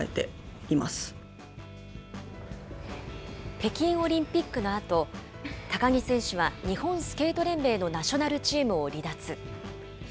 北京オリンピックのあと、高木選手は日本スケート連盟のナショナルチームを離脱。